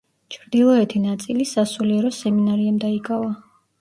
ჩრდილოეთი ნაწილი სასულიერო სემინარიამ დაიკავა.